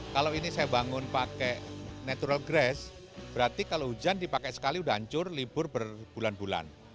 kalau ini saya bangun pakai natural grass berarti kalau hujan dipakai sekali udah hancur libur berbulan bulan